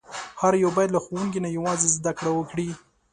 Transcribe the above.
هر یو باید له ښوونکي نه یوازې زده کړه وکړي.